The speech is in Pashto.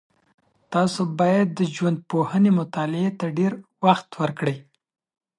تاسو باید د ژوندپوهنې مطالعې ته ډېر وخت ورکړئ.